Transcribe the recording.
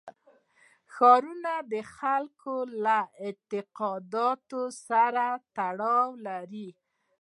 ښارونه د خلکو له اعتقاداتو سره تړاو لري.